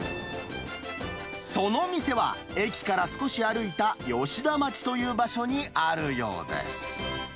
その店は、駅から少し歩いた吉田町という場所にあるようです。